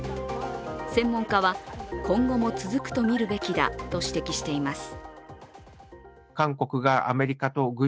専門家は、今後も続くとみるべきだと指摘しています。